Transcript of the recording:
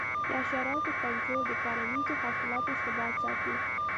د حشراتو کنټرول د کرنیزو حاصلاتو ثبات ساتي.